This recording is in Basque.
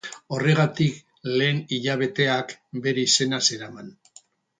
Horregatik, lehen hilabeteak, bere izena zeraman.